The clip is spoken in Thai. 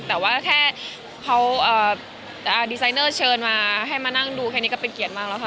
แต่ว่าแค่เขาดีไซเนอร์เชิญมาให้มานั่งดูแค่นี้ก็เป็นเกียรติมากแล้วค่ะ